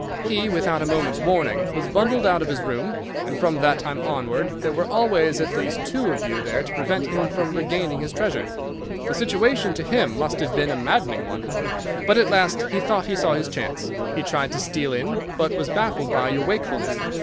He, without a moment's warning, was bundled out of his room, and from that time onward there were always at least two of you there to prevent him from regaining his treasure. The situation to him must have been a maddening one. But at last he thought he saw his chance. He tried to steal in, but was baffled by your wakefulness.